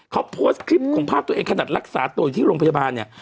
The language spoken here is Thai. เขาโพสต์คลิปของภาพตัวเองขนาดรักษาตัวอยู่ที่โรงพยาบาลเนี่ย